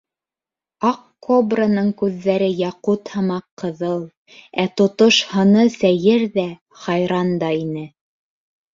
Аҡ кобраның күҙҙәре яҡут һымаҡ ҡыҙыл, ә тотош һыны сәйер ҙә, хайран да ине.